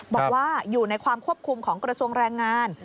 บอกว่าอยู่ในความควบคุมของกระทรวงแรงงาน